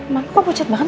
mama kok pucat banget